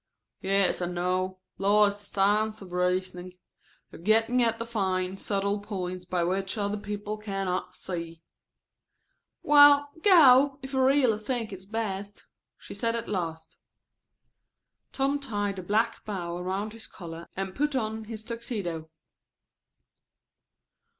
"Yes, I know. Law is the science of reasoning of getting at the fine, subtile points which other people can not see." "Well, go, if you really think it's best," she said at last. Tom tied a black bow around his collar and put on his tuxedo.